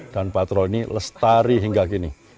dan patrol ini lestari hingga kini